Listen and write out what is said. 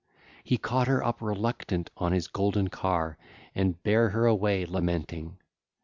19 32) He caught her up reluctant on his golden car and bare her away lamenting.